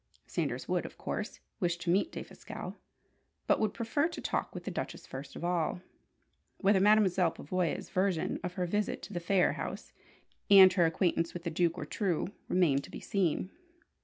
Sanders would, of course, wish to meet Defasquelle, but would prefer to talk with the Duchess first of all. Whether Mademoiselle Pavoya's version of her visit to the Phayre house and her acquaintance with the Duke were true, remained to be seen.